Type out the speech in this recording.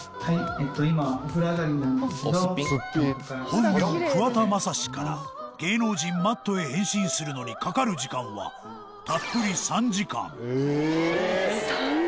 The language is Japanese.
本名桑田将司から芸能人 Ｍａｔｔ へ変身するのにかかる時間はたっぷり３時間ええー！